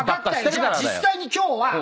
じゃあ実際に今日は皆さん。